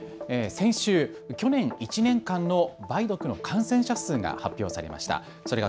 先週、去年１年間の梅毒の感染者数が発表されました。